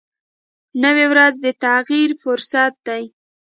نوې ورځ د تغیر فرصت دی